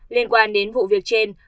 liên quan đến vụ việc trên